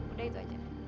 udah itu aja